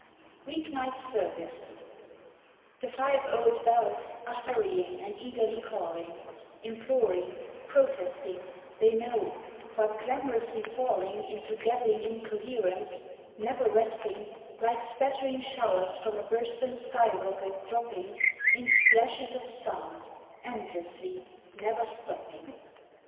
WEEK NIGHT SERVICE THE five old bells Are hurrying and eagerly calling, Imploring, protesting They know, but clamorously falling Into gabbling incoherence, never resting, Like spattering showers from a bursten sky rocket dropping In splashes of sound, endlessly, never stopping.